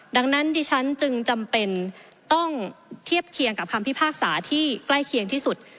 ดังนั้นดิฉันจึงจำเป็นต้องเทียบเคียงกับคำพิพากษาที่ใกล้เคียงที่สุด